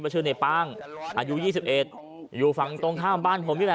บะเชี่ยวเนปั่งอายุยี่สิบเอ็ดอยู่ฝั่งตรงข้ามบ้านเนี้ย